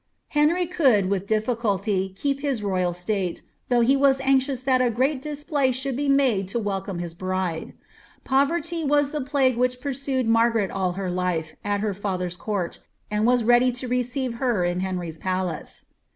Henry cmild with difficulty keep his royal state, though he was anxious that «i great dis play should be made to welcome his bride. Povf rty was the plague which pursue<] Margaret all her life, at her father^s court, and was ready lo receive her in Henry's palace.